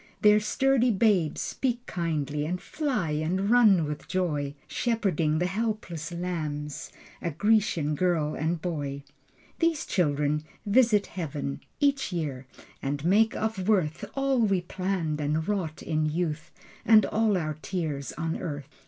Their sturdy babes speak kindly And fly and run with joy, Shepherding the helpless lambs A Grecian girl and boy. These children visit Heaven Each year and make of worth All we planned and wrought in youth And all our tears on earth.